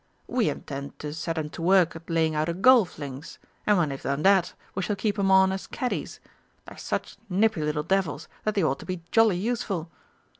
"We intend to set 'em to work at laying out a golf links, and when they've done that, we shall keep 'em on as caddies. They're such nippy little devils that they ought to be jolly useful....